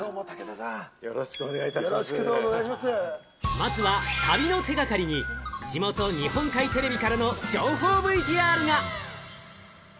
まずは旅の手がかりに、地元・日本海テレビからの情報ＶＴＲが！